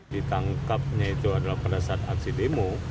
di tangkapnya itu adalah penasaran aksi demo